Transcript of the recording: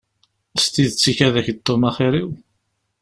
S tidet ikad-ak-d Tom axir-iw?